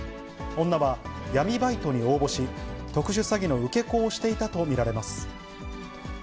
女は闇バイトに応募し、特殊詐欺の受け子をしていたと見られます。